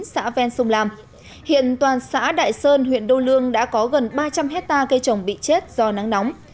xã ven sông lam hiện toàn xã đại sơn huyện đô lương đã có gần ba trăm linh hectare cây trồng bị chết do nắng nóng